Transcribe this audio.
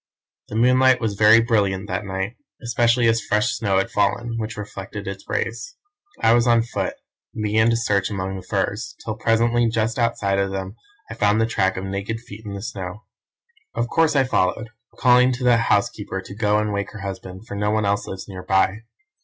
"The moonlight was very brilliant that night, especially as fresh snow had fallen, which reflected its rays. I was on foot, and began to search among the firs, till presently just outside of them I found the track of naked feet in the snow. Of course I followed, calling to the housekeeper to go and wake her husband, for no one else lives near by.